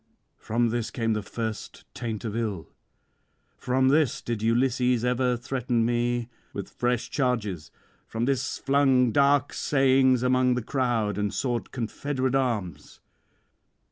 From this came the first taint of ill; from this did Ulysses ever threaten me with fresh charges, from this flung dark sayings among the crowd and sought confederate arms.